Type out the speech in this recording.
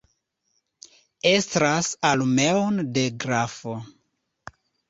Estras armeon de grafo.